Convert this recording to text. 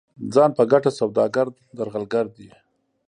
ځان په ګټه سوداګر درغلګر دي.